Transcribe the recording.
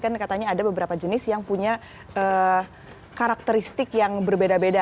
kan katanya ada beberapa jenis yang punya karakteristik yang berbeda beda